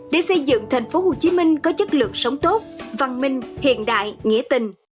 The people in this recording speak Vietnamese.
để xây dựng thành phố hồ chí minh có chất lượng sống tốt văn minh hiện đại nghĩa tình